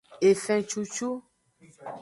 Efencucu.